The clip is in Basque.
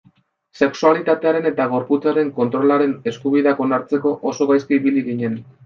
Sexualitatearen eta gorputzaren kontrolaren eskubideak onartzeko oso gaizki ibili ginen.